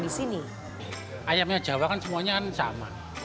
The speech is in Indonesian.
di sini ayamnya jawa kan semuanya sama